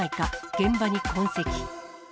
現場に痕跡。